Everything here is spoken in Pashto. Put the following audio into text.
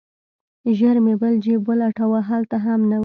ژر مې بل جيب ولټاوه هلته هم نه و.